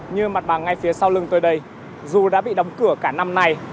như mặt bằng ngay phía sau lưng tôi đây dù đã bị đóng cửa cả năm nay